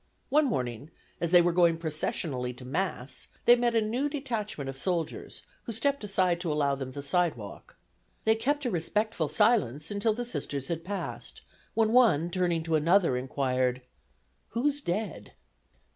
One morning, as they were going processionally to Mass they met a new detachment of soldiers, who stepped aside to allow them the sidewalk. They kept a respectful silence until the Sisters had passed, when one turning to another inquired, "Who's dead?"